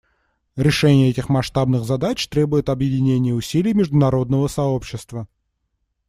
Решение этих масштабных задач требует объединения усилий международного сообщества.